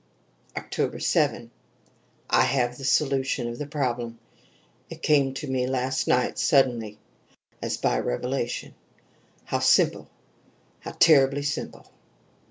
"Oct. 7. I have the solution of the problem; it came to me last night suddenly, as by revelation. How simple how terribly simple!